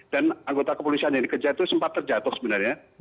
dan anggota kepolisian yang dikejar itu sempat terjatuh sebenarnya